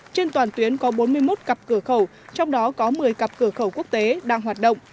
trên toàn tuyến có bốn mươi một cặp cửa khẩu trong đó có một mươi cặp cửa khẩu quốc tế đang hoạt động